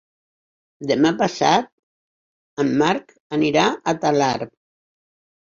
Demà passat en Marc anirà a Talarn.